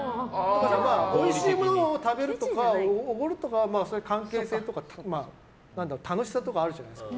おいしいものを食べるとかおごるとか、関係性とか楽しさとかあるじゃないですか。